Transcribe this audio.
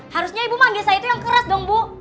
harusnya ibu manggis saya itu yang keras dong bu